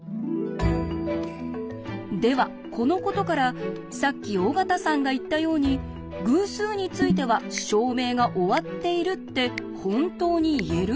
ではこのことからさっき尾形さんが言ったように「偶数については証明が終わっている」って本当に言えるんでしょうか？